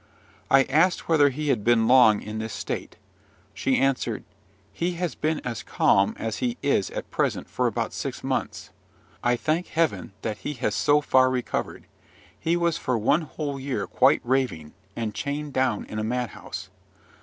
I asked whether he had been long in this state. She answered, "He has been as calm as he is at present for about six months. I thank Heaven that he has so far recovered: he was for one whole year quite raving, and chained down in a madhouse.